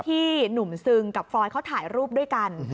ที่หนุ่มซึงกับฟรอยเขาถ่ายรูปด้วยกัน